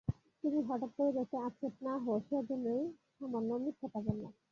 তুমি হঠাৎ করে যাতে আপসেট না-হও সে-জন্যেই সামান্য মিথ্যাটা বললাম।